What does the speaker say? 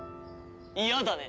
嫌だね。